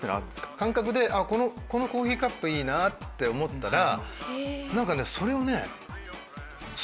感覚でこのコーヒーカップいいなって思ったら何かねそれをね。